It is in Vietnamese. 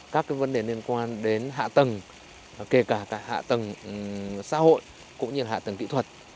các vấn đề liên quan đến hạ tầng kể cả hạ tầng xã hội cũng như hạ tầng kỹ thuật